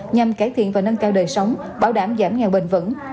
nhằm cải thiện và nâng cao đời sống bảo đảm giảm nghèo bền vững